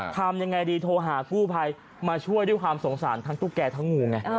ทำยังไงดีโทรหากู้ภัยมาช่วยด้วยความสงสารทั้งตุ๊กแก่ทั้งงูไง